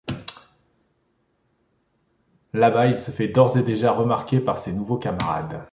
Là bas, elle se fait d'ores et déjà remarquer par ses nouveaux camarades.